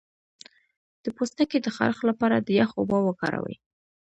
د پوستکي د خارښ لپاره د یخ اوبه وکاروئ